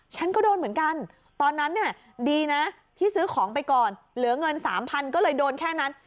ฉันก็โดนเหมือนกันตอนนั้นเนี่ยดีนะที่ซื้อของไปก่อนเหลือเงิน๓๐๐ก็เลยโดนแค่นั้น